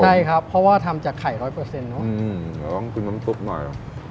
ใช่ครับเพราะว่าทำจากไข่ร้อยเปอร์เซ็นเนอะเดี๋ยวต้องกินน้ำซุปหน่อย